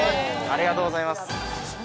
◆ありがとうございます。